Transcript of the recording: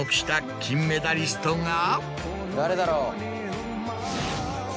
誰だろう？